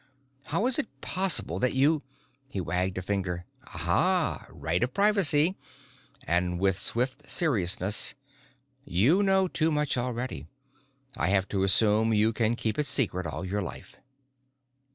How is it possible that you " He wagged a finger. "Ah ah! Right of privacy." And with swift seriousness, "You know too much already. I have to assume you can keep it secret all your life."